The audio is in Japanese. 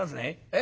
「え？